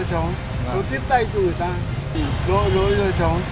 thôi được rồi lấy thử